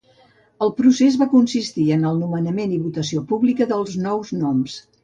El procés va consistir en el nomenament i votació pública dels nous noms.